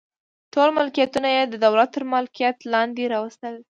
ټول ملکیتونه یې د دولت تر مالکیت لاندې راوستل.